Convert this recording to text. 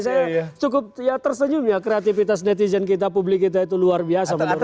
saya cukup ya tersenyum ya kreativitas netizen kita publik kita itu luar biasa menurut saya